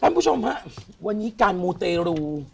คุณผู้ชมฮะวันนี้การมูเตรู